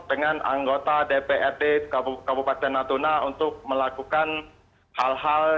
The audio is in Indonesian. dengan anggota dprd kabupaten natuna untuk melakukan hal hal